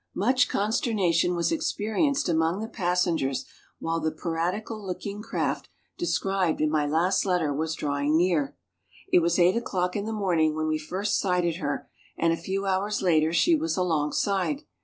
Much consternation was experienced among the passengers while the piratical looking craft described in my last letter was drawing near. It was eight o 'clock in the morning when we first sighted her, and a few hours later she was alongside.